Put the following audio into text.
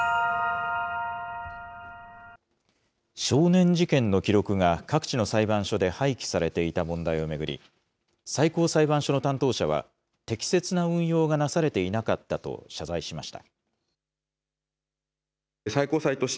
少年事件の記録が、各地の裁判所で廃棄されていた問題を巡り、最高裁判所の担当者は、適切な運用がなされていなかったと謝罪しました。